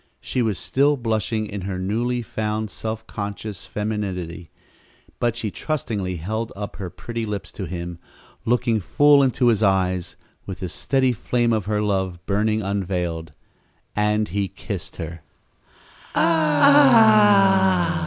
She was still blushing in her newly found self conscious femininity, but she trustingly held up her pretty lips to him, looking full into his eyes with the steady flame of her love burning unveiled and he kissed her.